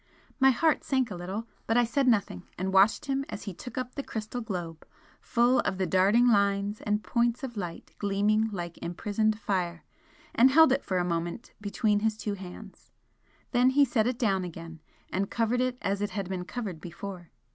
My heart sank a little, but I said nothing, and watched him as he took up the crystal globe, full of the darting lines and points of light gleaming like imprisoned fire, and held it for a moment between his two hands. Then he set it down again, and covered it as it had been covered before.